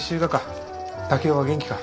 竹雄は元気か？